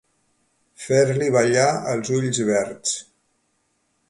Fer-li ballar els ulls verds.